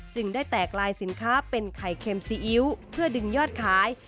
ได้แตกลายสินค้าเป็นไข่เค็มซีอิ๊วเพื่อดึงยอดขาย